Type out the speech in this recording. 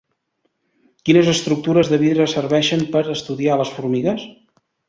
Quines estructures de vidre serveixen per estudiar les formigues?